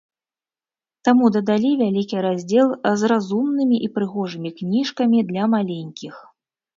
Таму дадалі вялікі раздзел з разумнымі і прыгожымі кніжкамі для маленькіх.